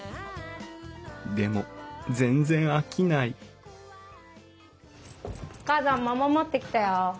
でも全然飽きないお母さん桃持ってきたよ。